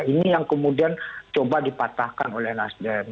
ini yang kemudian coba dipatahkan oleh nasdem